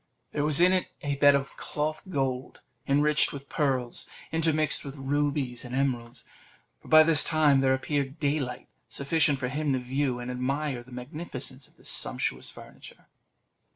There was in it a bed of cloth of gold, enriched with pearls, intermixed with rubies and emeralds; for by this time there appeared daylight sufficient for him to view and admire the magnificence of this sumptuous furniture.